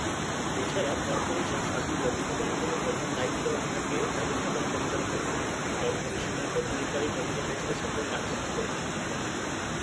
এছাড়া কর্পোরেশন সার্বিক ব্যবস্থাপনার জন্য প্রধান দায়িত্ব থাকে ব্যবস্থাপনা পরিচালকের হাতে কর্পোরেশনের প্রধান নির্বাহী কর্মকর্তা হিসেবে সকল কার্যক্রম পরিচালনা করেন।